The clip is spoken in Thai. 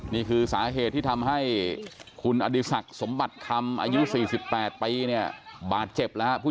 นี่คือสาเหตุที่ทำให้คุณอดีศักดิ์สมบัติคำอายุ๔๘ปีเนี่ยบาดเจ็บแล้วครับ